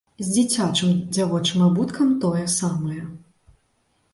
З дзіцячым дзявочым абуткам тое самае.